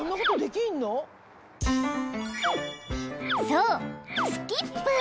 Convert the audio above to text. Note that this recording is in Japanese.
［そう］